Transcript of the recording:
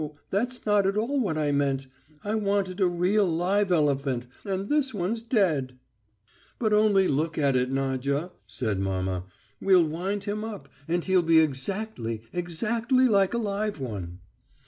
That's not at all what I meant. I wanted a real live elephant, and this one's dead." "But only look at it, Nadya," said mamma. "We'll wind him up, and he'll be exactly, exactly like a live one."